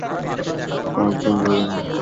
কয়েকদিন ধরিয়া হরিহরের কথকতা শুনিতে বেশ ভিড় হইতেছে।